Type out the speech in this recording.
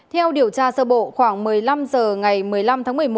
theo điều tra sơ bộ khoảng một mươi năm h ngày một mươi năm tháng một mươi một